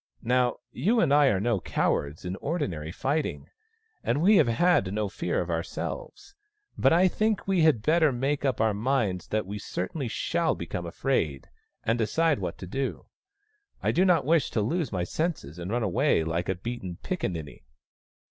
Now you and I are no cowards in ordinary fighting, and we have had no fear of ourselves. But I think we had better make up our minds that we certainly shall become afraid, and decide what to do. I do not wish to lose my senses and run away like a beaten pickaninny."